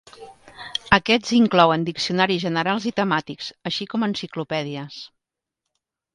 Aquests inclouen diccionaris generals i temàtics, així com enciclopèdies.